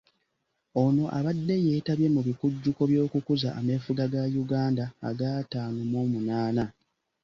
Ono abadde yeetabye mu bikujjuko by'okukuza ameefuga ga Uganda aga ataano mw'omunaana.